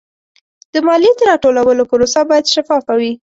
د مالیې د راټولولو پروسه باید شفافه وي.